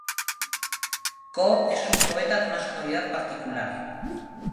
Ko es un poeta de una sonoridad particular.